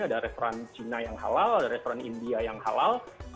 ada restoran cina yang halal ada restoran india yang halal